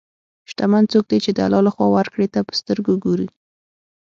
شتمن څوک دی چې د الله له خوا ورکړې ته په سترګو ګوري.